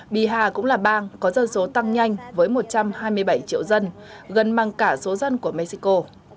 biha cũng là bang có dân số tăng nhanh với một trăm hai mươi bảy triệu dân gần bằng cả số dân của mexico